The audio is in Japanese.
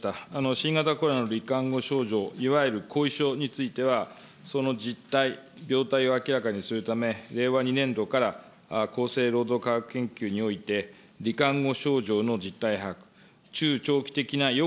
新型コロナのり患後症状、いわゆる後遺症については、その実態、病態を明らかにするため、令和２年度から厚生労働科学研究においてり患後症状の実態把握、中長期的なよ